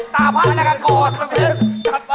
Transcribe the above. ตาเพดแล้วเค้าเลี้ยเค้าผัด